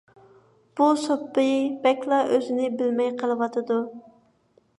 بۇ سوپى بەكلا ئۆزىنى بىلمەي قېلىۋاتىدۇ.